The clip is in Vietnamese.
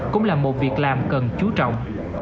cũng là một việc làm cần chú trọng